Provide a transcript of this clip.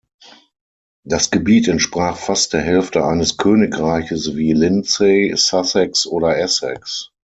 Das Gebiet entsprach fast der Hälfte eines Königreiches wie Lindsey, Sussex oder Essex.